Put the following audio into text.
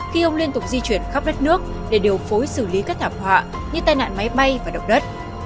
khi ông liên tục di chuyển khắp đất nước để điều phối xử lý các thảm họa như tai nạn máy bay và động đất